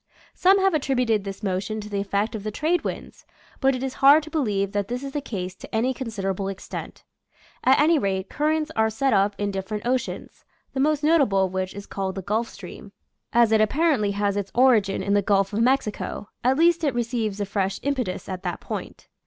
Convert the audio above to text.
Some have attributed this motion to the effect of the trade winds, but it is hard to believe that this is the case to any considerable extent. At any rate, currents are set up in different oceans, the most notable of which is called the Gulf Stream, as it ap parently has its origin in the Gulf of Mexico; at least it receives a fresh impetus at that point.